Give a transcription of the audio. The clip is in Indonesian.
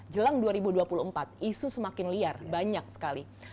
jelang dua ribu dua puluh empat isu semakin liar banyak sekali